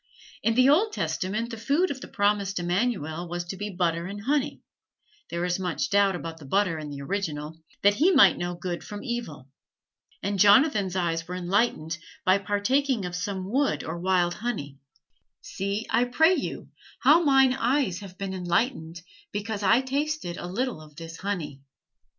In the Old Testament the food of the promised Immanuel was to be butter and honey (there is much doubt about the butter in the original), that he might know good from evil; and Jonathan's eyes were enlightened, by partaking of some wood or wild honey: "See, I pray you, how mine eyes have been enlightened, because I tasted a little of this honey."